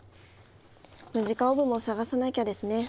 ムジカオーブもさがさなきゃですね。